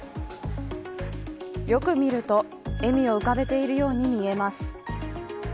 よく見ると、笑みを浮かべているように見えます。